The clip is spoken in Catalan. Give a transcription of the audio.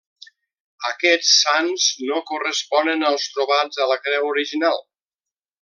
Aquests sants no corresponen als trobats a la creu original.